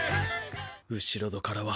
後ろ戸からは。